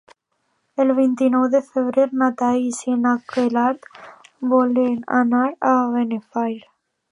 El vint-i-nou de febrer na Thaís i na Queralt volen anar a Benafer.